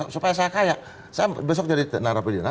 supaya saya kaya besok jadi narapindana